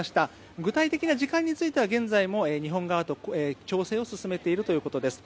具体的な時間については日本側と調整を進めているということです。